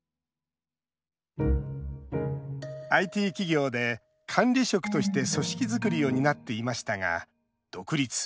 ＩＴ企業で管理職として組織作りを担っていましたが独立。